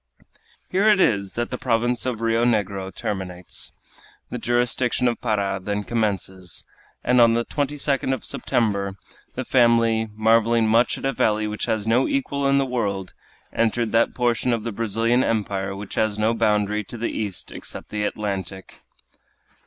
Here it is that the province of Rio Negro terminates. The jurisdiction of Para then commences; and on the 22d of September the family, marveling much at a valley which has no equal in the world, entered that portion of the Brazilian empire which has no boundary to the east except the Atlantic.